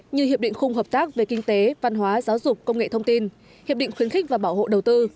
như hiệp định khung hợp tác về kinh tế văn hóa giáo dục công nghệ thông tin hiệp định khuyến khích và bảo hộ đầu tư